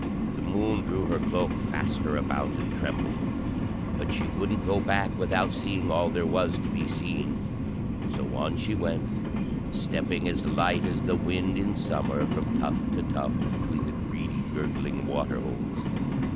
The Moon drew her cloak faster about and trembled, but she wouldn't go back without seeing all there was to be seen; so on she went, stepping as light as the wind in summer from tuft to tuft between the greedy gurgling water holes.